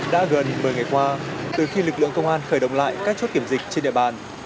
đã gần một mươi ngày qua từ khi lực lượng công an khởi động lại các chốt kiểm dịch trên địa bàn